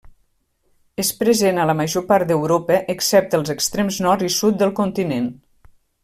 És present a la major part d'Europa, excepte als extrems nord i sud del continent.